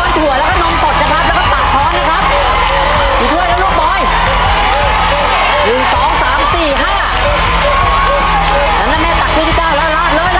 ไปเร็ว๓นาทีนะครับ